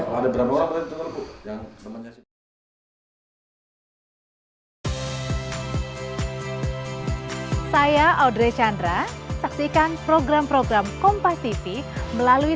hai saya audrey chandra saksikan program program kompas tv melalui